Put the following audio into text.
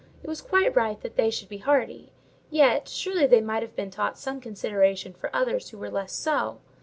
It was quite right that they should be hardy; yet, surely, they might have been taught some consideration for others who were less so.